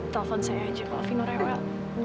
telepon saya aja mbak vino rewel